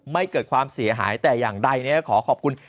เกิดความเสียหายแต่อย่างใดขอขอบคุณ